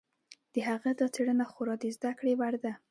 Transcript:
د هغه دا څېړنه خورا د زده کړې وړ ده.